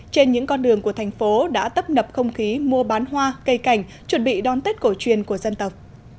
trên những con đường của thành phố đã tấp nập không khí mua bán hoa cây cảnh chuẩn bị đón tết cổ truyền của dân tộc